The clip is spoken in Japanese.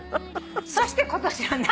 そして今年の。